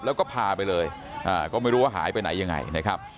แล้วก็พาไปเลยก็ไม่รู้ว่าหายไปไหนยังไงนะครับ